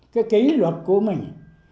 cái ký luật của mình